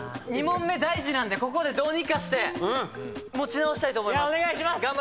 ２問目大事なんでここでどうにかして持ち直したいと思います。